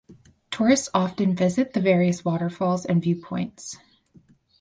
Tourists also often visit the various waterfalls and viewpoints.